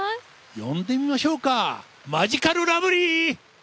呼んでみましょうか、マヂカルラブリー！